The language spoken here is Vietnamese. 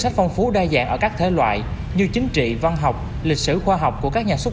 sách phong phú đa dạng ở các thế loại như chính trị văn học lịch sử khoa học của các nhà xuất